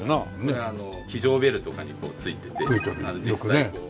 これあの非常ベルとかに付いてて実際にこう。